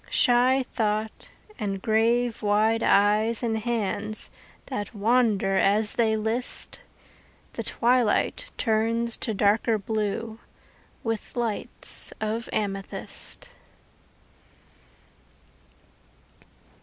Shy thought and grave wide eyes and hands That wander as they list The twilight turns to darker blue With lights of amethyst.